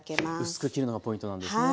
薄く切るのがポイントなんですね。